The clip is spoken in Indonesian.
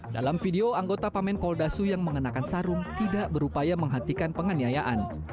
dalam video anggota pamen poldasu yang mengenakan sarung tidak berupaya menghentikan penganiayaan